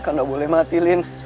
kau gak boleh mati lin